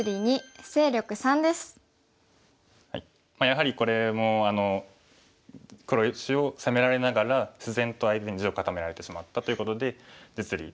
やはりこれも黒石を攻められながら自然とああいうふうに地を固められてしまったということで実利。